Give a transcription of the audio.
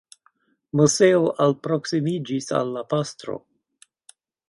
Moseo alproksimiĝas al la pastro.